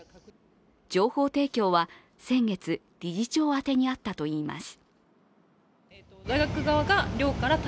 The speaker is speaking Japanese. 情報提供は先月、理事長宛にあったといいます。